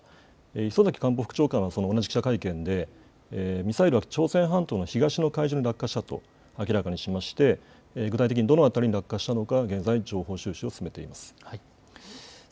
磯崎官房副長官は同じ記者会見でミサイルは朝鮮半島の東の海上に落下したと明らかにしまして具体的にどの辺りに落下したのかは現在、情報収集を進めています。